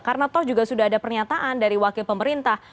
karena toh juga sudah ada pernyataan dari wakil pemerintah